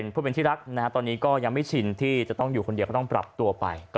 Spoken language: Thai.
ผู้เป็นที่รักตอนนี้ก็ยังไม่ชินที่จะต้องอยู่คนเดียวก็ต้องปรับตัวไป